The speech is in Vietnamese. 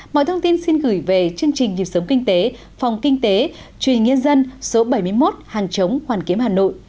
mọi thông tin xin gửi về chương trình nhịp sống kinh tế phòng kinh tế truyền nhân dân số bảy mươi một hàng chống hoàn kiếm hà nội